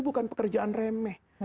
bukan pekerjaan remeh